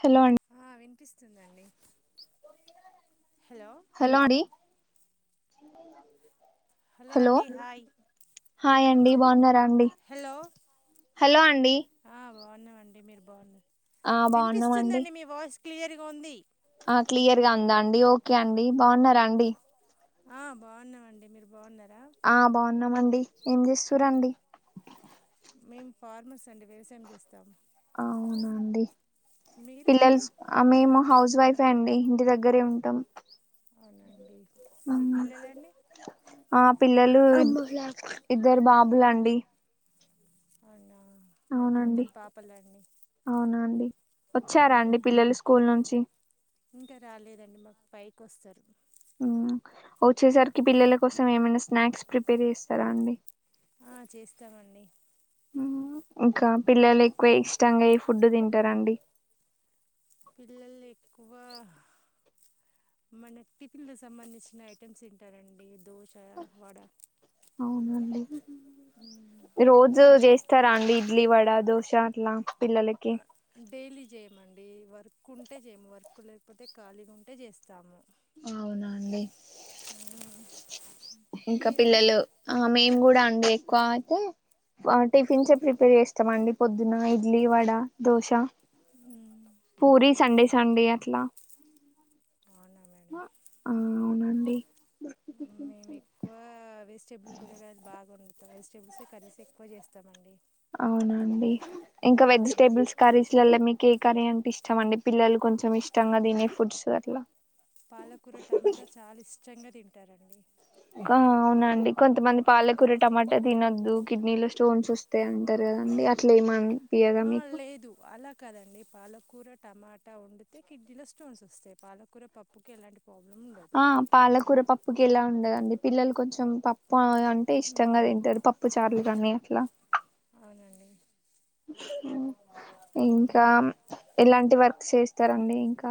Hello అండి వస్తుందండి hello అండి ఇనా హలో అండి హాయ్ హాయ్ అండి బాగున్నారా హలో హలో అండి అండి మీరు బాగున్నారా ఆ బాగున్నామ అండి క్లియర్ గా ఉంది ఆ క్లియర్ గా ఉందా అండి ఓకే ఓకే అండి బాగున్నారా అండి ఆ బాగున్నామండి మీరు బాగున్నారా ఆ బాగున్నామండి ఏం చేస్తారండి మేము ఫార్మర్స్ అండి వ్యవసాయం చేస్తాం అవునాండి మీరు పిల్లల్ స్కూల్ ఆ మేమ హౌస్ వైఫే అండి ఇంటి దగ్గరే ఉంటాం అవునండి మీ పిల్లలండి ఆ పిల్లలు ఇద్దరు బాబులండి అవున్నా అవునండి మాకుద్దరు పాపలండి అవునా అండి వచ్చారా అండి పిల్లలు స్కూల్ నుంచి ఇంకా రాలేదండి మాకు పై వస్తారు వచ్చేసరికి పిల్లల కోసం ఏమైనా స్నాక్స్ ప్రిపేర్ చేస్తారా అండి ఆ చేస్తామండి ఇంకా పిల్లలు ఎక్కువ ఇష్టంగా ఏ ఫుడ్డు తింటారండి పిల్లలు ఎక్కువ మన టిఫిన్లకు సంబంధించిన ఐటమ్స్ తింటారండి దోశ వడ అవునుండి రోజు చేస్తారా అండి ఇడ్లీ వడా దోశ చట్లా డైలీ చేయమండి అ వర్క్ ఉంటే చేయము వర్క్ లేకపోతే ఖాళీగా ఉంటే చేస్తాము అవునా అండి ఇంకా మీరండి పిల్లలు ఆ మేము కూడా అ ఎక్కువ అయితే టిఫిన్స్ ప్రిపేర్ చేస్తామండి పొద్దున ఇడ్లీ వడ ఆ దోశ ఎక్కువ పూరి సండే సండే అట్లా [inaudible] ఆ అవునండి మేము ఎక్కువ వెజిటేబుల్ కూరగాయలు బాగా వండుతాం వెజిటేబుల్స్ కర్రీస్ ఎక్కువ చేస్తామ అండి అవునండి ఇంకా వెజిటేబుల్స్ కర్రీస్లలో మీకు ఏ కర్రీ అంటే ఇ ష్టం అండి పిల్లలు కొంచెం ఇష్టంగా తినే ఫుడ్స్ అట్లా పాలకూర టమాటా చాలా ఇష్టంగా తిం టారండీ ఆ అవునండి కొంతమంది పాలకూర టమాటా తినొద్దు కిడ్నీలో స్టోన్స్ వస్తాయి అంటారు కదండి అట్లా ఏమని పియ్యదా మీకు కదండి పాలకూర టమాటా వండితే కిడ్నీలో స్టోన్స్ వస్తాయి పాలకూర పప్పుకి ఎలాంటి ప్రాబ్లం ఉండదు ఆ పాలకూర పప్పుకి ఎలా ఉండదండి పిల్లలు కొంచెం పప్పు ఆ అంటే ఇష్టంగా మ్మ్ తింటారు పప్పు చార్లు దాన్ని అట్లా అవునండి ఉమ్ ఇంకా మ్మ్ ఇలాంటి వర్క్ చేస్తారండి ఇంకా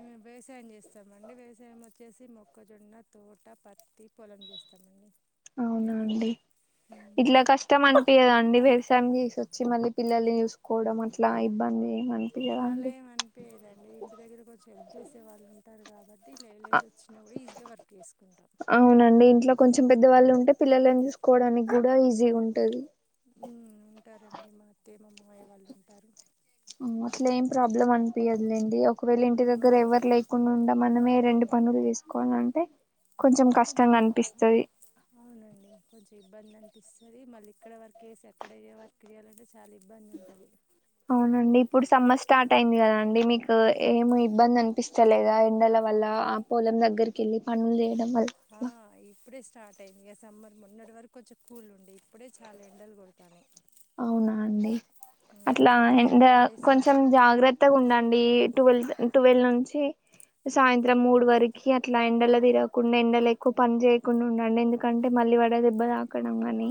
మేము వ్యవసాయం చేస్తామండి వ్యవసాయం వచ్చేసి మొక్కజొన్న తోట పత్తి పొలం చేస్తామండి అవునా అండి మ్మ్ ఇట్లా కష్టం అనిపియ్యదా అండి వ్యవ పని చేసి వచ్చి మళ్ళీ పిల్లల్ని చూసుకోవడం అట్లా ఇబ్బంది ఏం అనిపియదా అలా అండి ఏం అనిపియ్యదండి ఇంటి దగ్గర కొంచెం హెల్ప్ చేసే వాళ్ళు ఉంటారు కాబట్టి లేసి వచ్చినా కూడా ఈజీగా వర్క్ చేసుకు అవునండి ఇంట్లో కొంచెం పెద్దవాళ్ళు ఉంటే పిల్లలని చూసుకోవడానికి కూడా ఈజీగా ఉంటది ఉమ్ ఉంటారండి మా అత్తయ్య మా మామయ్య వాళ్ళు ఉంటారు అట్లా ఏం ప్రాబ్లం అనిపియ్యదు లేండి ఒకవేళ ఇంటి దగ్గర ఉమ్ ఎవరు లేకుండా ఉండ మనమే రెండు పనులు చేసుకోవాల అంటే కొంచెం అవునండి కొంచెం ఇబ్బంది అనిపిస్తది మళ్ళీ ఇక్కడ వర్క్ ఏసి అక్కడ వర్క్ చేయాలంటే చాలా ఇబ్బంది ఉంటది అవునండి ఇప్పుడు సమ్మర్ స్టార్ట్ అయింది కదా అండి మీకు ఏమి ఇబ్బంది అనిపిస్తలేదా ఎండల వల్ల ఆ పొలం దగ్గరికి వెళ్ళి పనులు చే ఆ ఇప్పుడే స్టార్ట్ అయింది ఇక సమ్మర్ మొన్నటి వరకు కొంచెం కూల్ ఉండే ఇప్పుడే చాలా ఎండలు కొడతానయి అవునా అండి అట్లా ఒక ఎండ ఫోర్ డేస్ కొంచెం నుంచి జాగ్రత్తగా ఉండండి ట్వెల్త్ టువెల్ నుంచి సాయంత్రం మూడు వరకు అట్లా ఎండల తిరగకుండా ఎండల ఎక్కువ పని చేయకుండా ఉండండి ఎందుకంటే మళ్ళీ వడ దెబ్బ తాకడం గాని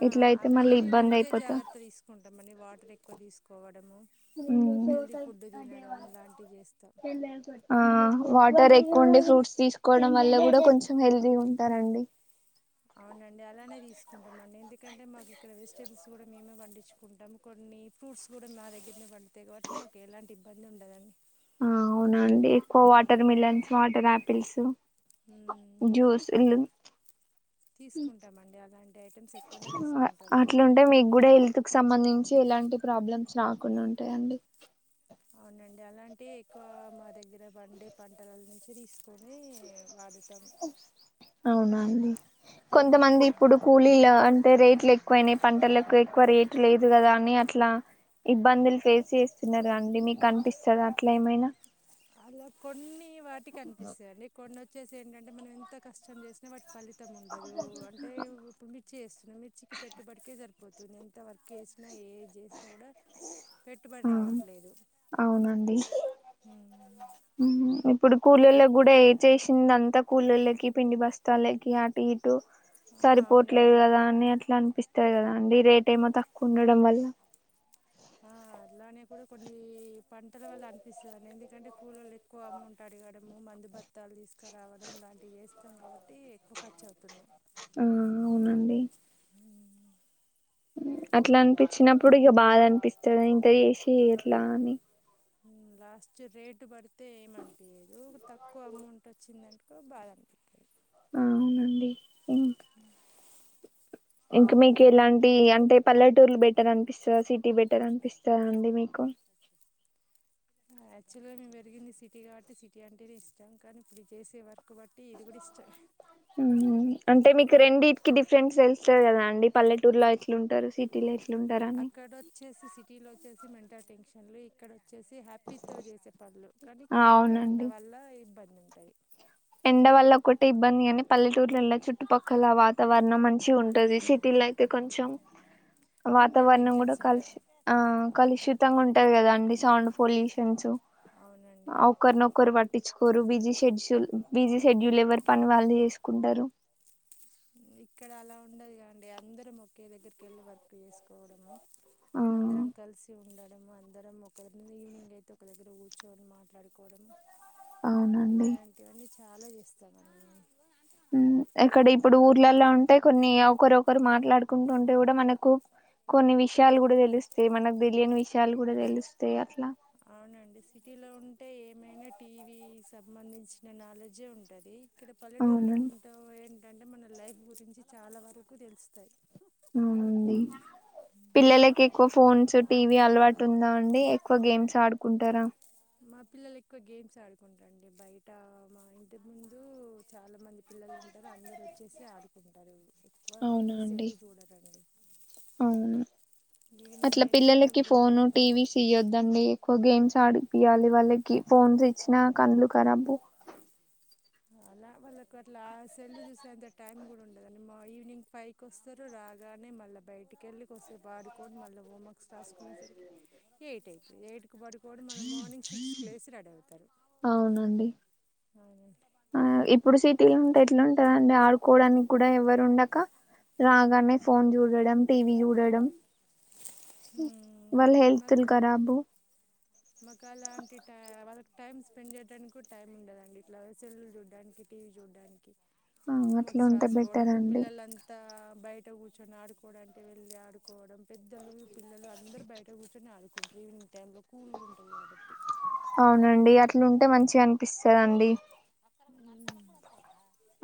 ఆ ఇట్ల అయితే అలానే మళ్ళీ మేము ఇబ్బంది ముందే అయిపోతా జాగ్రత్త తీసుకుంటాం అండి వాటర్ ఎక్కువ తీసుకోవడము హెల్దీ ఫుడ్ తినడం లాంటివి చేస్తాం హామ్ హా వాటర్ ది ఎక్కువండే ఫ్రూట్స్ తీసుకోవడం వల్ల కూడా కొంచెం హెల్తీగా ఉంటారండి అవునండి అలానే తీసుకు కుంటాం అంటె ఎందుకంటే మాకు ఇక్కడ వెజిటేబుల్స్ కూడ మేమే పండించుకుంటాము కొన్ని ఫ్రూట్స్ కూడా మా దగ్గర పండుతాయి కాబట్టి మాకు ఎలాంటి ఇబ్బంది ఉండదండి ఆ అవునండి ఎక్కువ వాటర్ మిలన్స్ వాటర్ ఆపిల్స్ మ్మ్ జ్యూస్ ఇల్ తీసుకుంటామండి అలాంటి ఐటమ్స్ ఎక్కువనే తీసుకుంటాం మేము అట్లుంటే మీక్ కూడా హెల్త్ కు సంబంధించి ఎలాంటి ప్రాబ్లమ్స్ రాకుండా ఉంటాయిడి అలాంటి ఎక్కువ మా దగ్గర పండే పంటల నుంచి తీ కని వాడుతాం అప్ కొంతమంది అవునండి ఇప్పుడు కూలీల రా అంటే రేట్లు ఎక్ ఎక్కువైనాయి పంటలకు ఎక్కువ రేటు లేదు కదా అని అట్లా ఇబ్బందులు ఫేస్ చేస్తున్నారు కదండి మీకు అనిపిస్తుంది అట్లా ఏమైనా అలా కొన్ని మ్ వాటి సా అనిపిస్తదండి కొన్ని వచ్చసే ఏంటంటే మనం ఎంత కష్టం చేసినా వాటి ఫలి మొత్తం ఉండదు అంటే మిర్చి వేస్తున్నా మ్ మిర్చికి పెట్టుబడికే సరి గెంత వర్క్ చేసిన ఏ చేసినా కూడ పెట్టుబడి ఆ రావట్లేదు ఉహుమ్ ఇప్పుడు కూలోళ్లకి కూడ ఏ చేసింది అంతా కూలోళ్ళకి పిండి బస్తాలకి అటు దు ఆ సరిపోట్లేదు అవునండి కదా అని అట్ల అనిపిస్తది కదా అండి రేటేమో తక్కువ ఉండడం వల్ల ఆ అలానే కూడా కొన్ని పంటల వల్ల అనిపిస్తదనేది ఎందుకు కూలోళ్లు ఎక్కువ అమౌంట్ అడగడము మందు భత్తాలు తీసుకురావడం అలాంటివి చేస్తాం కాబట్టి ఎక్కువ ఖర్చు అవుతుంది. ఆ అట్ల అనిపించినప్పుడు ఇక బాద అనిపిస్తుంది ఇంంత చేసి ఎట్లా అని లాస్ట్ రేటు పడితే ఏమనిపించదు అంత తక్కువ అమౌంట్ వచ్చిందంటకో బాద అనిపిించంది ఆ అవునండి ఏం ఇంక మీకు ఇలాంటి అంటే పల్లెటూర్లు బెటర్ అనిపిస్తదా సిటీ బెటర్ అనిపిస్తదా అండి మీకు యాక్చువల్ గా మేము పెరిగింది సిటీ కాబట్టి సిటీ అంటేనే ఇష్టం కానీ ఇప్పుడు ఇది చేసే వర్క్ బట్టి ఇది కూడ ఇష్టం ఊ హుమ్ అంటే మీక్ రెండి కె డిఫ్రెంట్స్ వెళ్స్తారు కదా అండి పల్లెటూర్లో ఎట్లు ఉంటారు సిటీలో ఎట్లుంటారు అని అక్కడ వచ్చేసి సిటీలొ వచ్చేసి మెంటల్ టెన్షన్ ఫంక్షన్లు ఇక్కడ వచ్చేసి హ్యాపీతోో చేసే పనులు కానీ ఇక్కడ ఎండ అవునండి వల్ల ఇబ్బంది ఉంటై ఎండవల్ల ఒకటే ఇబ్బంది అని పల్లెటూర్లల చుట్టుపక్కల వాతావరణం మంచి మంచి ఉంటుంది సిటీలో అయితే కొంచెం మెంటల్ వాతావరణం కూడా టెన్షన్స్ ఉంటాయి కలుష ఆ కలుషితంగా ఉంటది కదా అండి, సౌండ్ పొల్యూషన్స్ అవునండి ఒకక్కరినొక్కరు పట్టించుకోరు busy sheds Chul busy schedule ఎవరు పని వాళ్ళు చేసుకుంటారు ఇక్కడ అలా ఉండదు కాండి అందరం ఒకే దగ్గరకి వెళ్ళి వర్క్ చేసుకోవడము ఆ అందరం కలిసి ఉండాలి అందరం ఒక ఈవినింగ్ అయితే ఒక దగ్గర కూర్చొని మాట్లాడుకోవడం అవునండి ఇలాంటివన్నీ చాలా చేస్తాను ఉమ్ అక్కడ ఇప్పుడు ఊర్లలో ఉంటే కొన్ని ఒకరు ఒకరు మాట్లాడుకుంటూ ఉంటే కూడా మనకు కొన్ని విషయాలు కూడా తెలుస్తాయి మనకు తెలియని విషయాలు కూడా తెలుస్తాయి అట్ అవునండి సిటీలో ఉంటే ఏమైనా టీవీ సంబంధించిన నాలెడ్జే ఉంటది ఇడ పల్లెటూరులో అవునండి ఉంటావు ఏం ఏంటంటే మన లైఫ్ గురించి చాలా వరకు తెలుస్తాయి అవునండి పిల్లలకి ఎక్కువ ఫోన్స్ టీవీ అలవాటు ఉందా అండి, ఎక్కువ గేమ్స్ ఆడుకుంటారా? మా పిల్లలు ఎక్కువ గేమ్స్ ఆడుకుంటారండి, బయట మా ఇంటి ముందు చాలా మంది పిల్లలు ఉంటారు అందరు వచ్చేసి ఆడుకుంటారు ఎక్కువ అవునా టీవీస్ అండి వెళ్ళి చూడరండి అవును ఈవినింగ్ అట్లా అయితే పిల్లలకి కూల్గా ఫోను ఉంటుంది టీవీస్ ఇయ్యొద్దండి క్కువ గేమ్స్ ఆడిపియాలి వాళ్ళకి ఫోన్స్ ఇచ్చినా కనులు కరాబు అలా వాళ్ళకు అట్లా సెల్లు చూసేంత టైమ్ కూడా ఉండదండి, మా ఈవినింగ్ ఫైవ్ కి వస్తారు రాగానే మళ్ళీ బయటికెళ్ళి కాసేపు ఆడుకొని మళ్ళీ హోమర్క్ రాసుకునేరికి ఎయిట్ అయిద్ది ఏడు పక్కబడి పొవుడు మల్ల మార్నింగ్ సిక్స్ కి లేసి రెడీ అవుతారు అవునండి అవునాన్ ఆ ఇప్పుడు సిటీలో ఉంటే ఎట్లా ఉంటాదాంటే ఆడుకోడానికి కూడా ఎవరు ఉండక రాగానే ఫోన్ చూడడం, టీవీ చూడడం, వాళ్ళ హెల్త్ మాకు లు కరాబు మాకు అలాంటి టై వాళ్ళకి టైం స్పెండ్ చేయడానికి కూడా టైం ఉండదండి ఇట్లా సెల్లులు చూడ్డానికి టీవీ చూడ్డానికి ఆ హోమ్ అట్లా వర్క్స్ ఉంటే బెటర్ రాసుకోవడము అండి పిల్లలంతా బయట కూర్చొని ఆడుకోవడం అంటే వెళ్ళి ఆడుకోవడం పెద్దలు పిల్లలు అందరు బయట కూర్చొని ఆడు గుడ్ ఈవినింగ్ టైమ్ లో అవునండి అట్ ఇట్లుంటే మంచిగా అనిపిస్తదండి మన్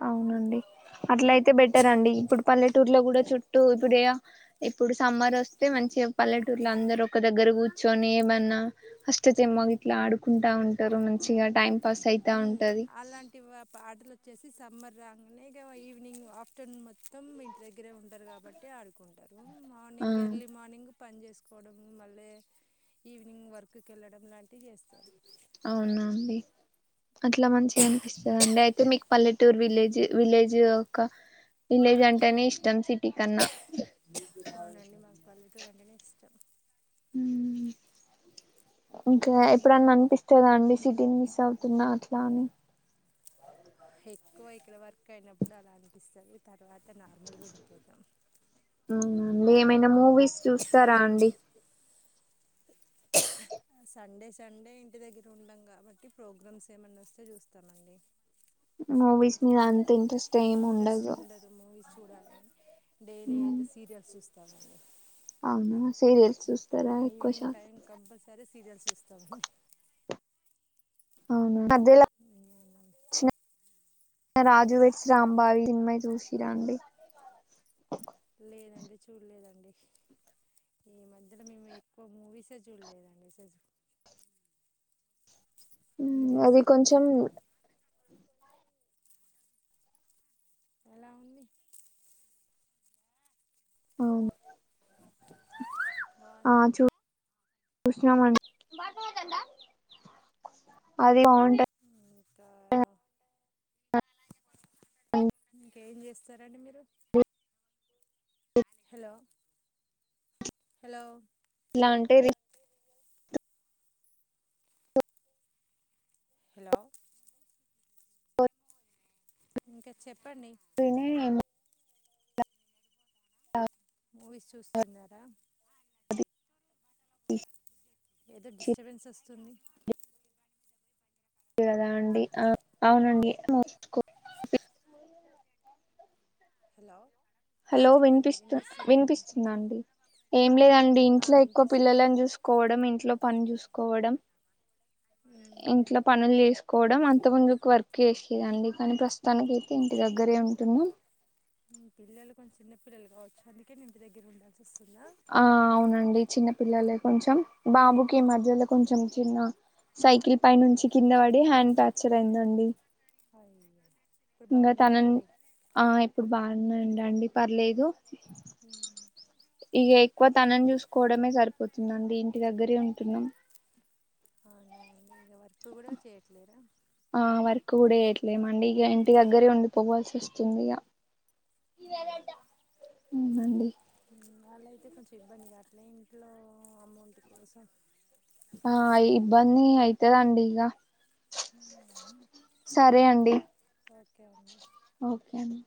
అవునండి అట్ల అయితే బెటర్ అండి, ఇప్పుడు పల్లెటూర్లో కూడా చుట్టూ ఇప్పుడే ఇప్పుడు సమ్మర్ వస్తే మంచిగా పల్లెటూర్ల అందరు ఒక దగ్గర కూర్చొని ఏమన్నా ఆష్టచమ్మ గిట్ల ఆడుకుంటా ఉంటారు మంచిగా టైం పస్ అయితా మ్మ్. ఉంటది అలాంటి వా- ఆటలు వచ్చేసి సమ్మర్ రాగానే ఈవిెనింగ్ ఆఫ్టర్నూన్ మొత్తం ఇంటి దగ్గరే ఉంటారు కాబట్టి ఆడుకుం హ్మ్మ్ ఆ మార్నింగ్ ఎర్లీ మార్నింగ్ పని చేసుకోవడం మళ్ళీ ఈవినింగ్ వర్క్కి వెళ్ళడం లాంటివి చేస్తారు అవునా అండి అట్లా మంచిగా అనిపిస్తుంది అండి అయితే మీకు పల్లెటూర్ విలేజ్ విలేజ్ ఒక విలేజ్ అంటేనే ఇష్టం సిటీ కన్నా అవునండి మాకు పల్లెటూరు అంటేనే ఇస్టమ్ హ ఇంకా ఎప్పుడన్నా అనిపిస్తుందా అండి సిటీన్ మీసవతున్నాట్లా అనీ ఎక్కువ ఇక్కడ వర్క్ అయినప్పుడు అలా అనిపిస్తుంది త తర్వాత నార్మల్గా ఉండిపోతాం అవునండి ఏమైనా మూవీస్ చూస్తారా అండి సండే సండే ఇంటి దగ్గర ఉండం కాబట్టి ప్రోగ్రామ్స్ ఏమన్నా వస్తే చూస్తామండి మూవీస్ మీద ఆ ఇంట్రెస్ట్ ఏమి ఇంట్రెస్ట్ ఉండదు మూవీస్ చూడాలి అని డైలీ అయితే సీరియల్స్ చూస్తామండి అవునా సీరియల్స్ చూస్తారా ఎక్కువ ఈవిెనింగ్ టైం కంపల్సరీ సీరియల్స్ చూస్తామండి అవును అవునండి. మధ్యలాచ్చిన రాజు వెడ్స్ రాంబాయి సినిమ చూసిర అండి లేదండి చూడలేదండి ఈ మధ్యలో మేము ఎక్కువ మూవీసే చూడలేదండి చ మీరు అది చూసిరా అండి కొంచెం ఎలా ఉంది హ్మ్మ్ బాగుందండి చూస్తున్నాము ఆ ఫ్రీగా ఉంటే ఇంకా ఇంకేం చేస్తారండి మీరు హలో హలో ఎట్లా అంటే రీ హలో బో ఇంకా చెప్పండి అ మూవీస్ చూస్తున్నారా అది ఏదో డిస్టర్బెన్స్ వస్తుంది. అదా అండి ఆ అవునండి హలో ఆ హలో చెప్పండి వినిపిస్త వినిపిస్తుంది వినిపిస్తుందా అండి ఏం లే అండి ఆ ఇంట్లో ఎక్కువ వినిపిస్తుంది పిల్లలను చూస్కోవడం ఇంట్లో పన్ జూస్కోవడం. ఇంట్లో పనులు చేస్ కోవడం. అంత ముందు ఒక వర్క్ చేసేదండి కానీ ప్రస్తుతానికైతే ఇంటి దగ్గరే ఉంటున్నా పిల్లలు కొంత చిన్న పిల్లలు కావచ్చు అందుకే ఇంటి దగ్గర ఉండాల్సి వస్తుందా ఆ అవునండి చిన్న పిల్లలే కొంచం బాబుకి ఈ ఉమ్. మధ్యలో కొంచం చిన్న సైకిల్ పై నుంచి కింద పడి హ్యాండ్ ఫ్యాక్చర్ అయిందండి. అయ్యో ఇప్పుడు ఇంకా బాగున్నారా తనన్ అండి ఆ ఇప్పుడు బాగున్నా అండి పర్లేదు ఉమ్, ఇగ ఎక్కువ తనన్ చూస్కోవడమే సరిపో తుందండి ఇంటి దగ్గరే ఉంటున్నాం. అవునా ఇగ వర్క్ గోడా చేయట్లేరా లేమండి ఇగ ఇంటి దగ్గరే ఉండిపోవాల్సి వస్తుంది ఇగ ఇయ్యాదంట అవునండి వాళ్ళయితే కొంచెం ఇబ్బంది కాట్లే ఇంట్లో అమౌంట్ కోసం ఆ ఇబ్బంది అయితదండి ఇగ ఉమ్, సరే అండి ఓకే అమ్మ ఓకేనా